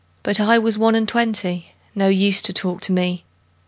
'But I was one and twenty, No use to talk to me.